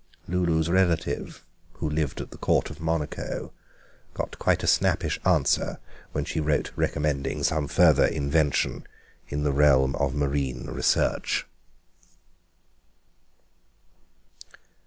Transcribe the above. Lulu's relative, who lived at the Court of Monaco, got quite a snappish answer when she wrote recommending some further invention in the realm of marine research.